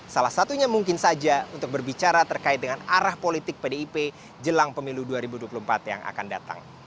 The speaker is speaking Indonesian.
salah satunya mungkin saja untuk berbicara terkait dengan arah politik pdip jelang pemilu dua ribu dua puluh empat yang akan datang